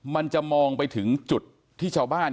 มันจะมองไปถึงจุดที่ชาวบ้าน